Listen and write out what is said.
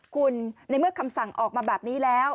คุณในเมื่อคำสั่งออกมาแบบนี้แล้ว